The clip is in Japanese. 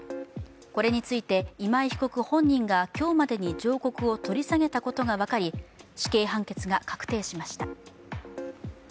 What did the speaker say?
これについて今井被告本人が今日までに上告を取り下げたことが分かり、死刑判決が確定しました。